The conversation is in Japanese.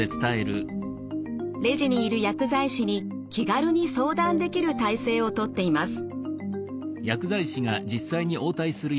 レジにいる薬剤師に気軽に相談できる体制をとっています。